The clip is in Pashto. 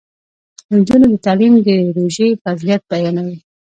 د نجونو تعلیم د روژې فضیلت بیانوي.